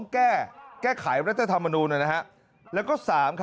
๒แก้ไขรัฐธรรมนุม